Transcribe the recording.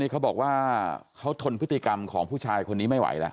เขาบอกว่าเขาทนพฤติกรรมของผู้ชายคนนี้ไม่ไหวแล้ว